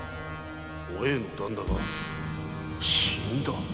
お栄の旦那が死んだ？